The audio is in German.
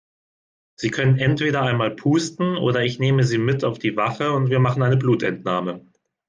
Sie können entweder einmal pusten oder ich nehme Sie mit auf die Wache und wir machen eine Blutentnahme.